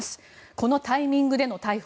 このタイミングでの逮捕。